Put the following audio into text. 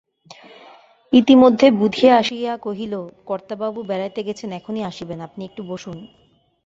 ইতিমধ্যে বুধিয়া আসিয়া কহিল, কর্তাবাবু বেড়াইতে গেছেন এখনি আসিবেন, আপনি একটু বসুন।